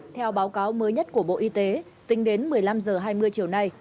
theo báo cáo mới nhất của bộ y tế tính đến một mươi năm h hai mươi chiều nay